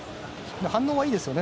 反応はいいですよね